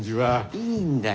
いいんだよ